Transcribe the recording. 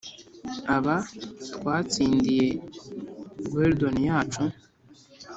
aba twatsindiye guerdon yacu -